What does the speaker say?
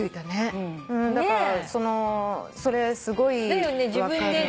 だからそれすごい分かる。